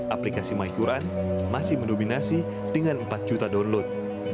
aplikasi myquran masih mendominasi dengan empat juta download